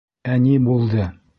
Ә ни булды?